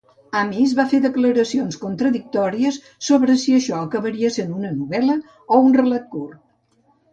Amis va fer declaracions contradictòries sobre si això acabaria sent una novel·la o un relat curt.